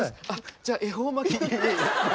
じゃあ恵方巻き。